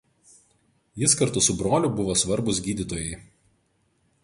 Jis kartu su broliu buvo svarbūs gydytojai.